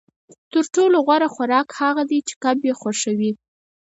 تر ټولو غوره خوراک هغه دی چې کب یې خوښوي